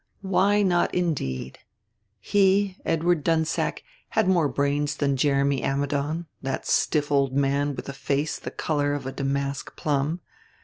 Why not indeed! He, Edward Dunsack, had more brains than Jeremy Ammidon, that stiff old man with a face the color of a damask plum.